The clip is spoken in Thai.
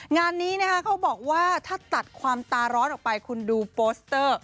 งานนี้นะคะเขาบอกว่าถ้าตัดความตาร้อนออกไปคุณดูโปสเตอร์